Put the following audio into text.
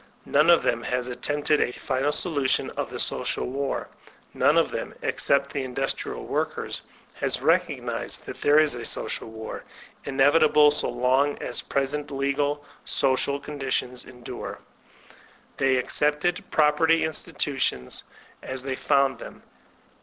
None of them has attempted a final solution of the social war. None of them, except the Industrial Workers, has recognized that there is a social war, inevitable so long as present Iqial sodal conditions endure. They accepted property institutions as they found them.